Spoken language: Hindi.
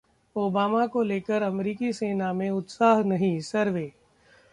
ओबामा को लेकर अमेरिकी सेना में उत्साह नहीं: सर्वे